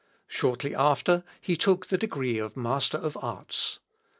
Shortly after, he took the degree of master of arts.